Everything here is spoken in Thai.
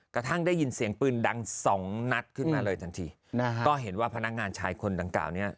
กระทั่งได้ยินเสียงปืนดังสองนัดขึ้นมาเลยทันทีนะฮะก็เห็นว่าพนักงานชายคนดังกล่าวเนี้ย